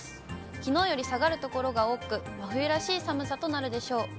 きのうより下がる所が多く、真冬らしい寒さとなるでしょう。